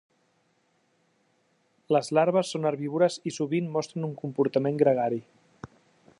Les larves són herbívores i sovint mostren un comportament gregari.